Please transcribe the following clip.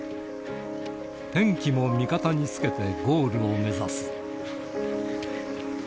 天気も味方につけてゴールを目指す。